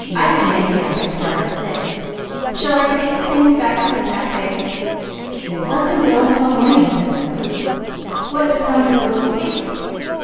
I can make it if I start at six. Shall I take the things back to the café?" "Let them go until morning," said Douglas. "What becomes of the little cakes?"